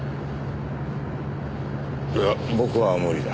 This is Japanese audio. いや僕は無理だ。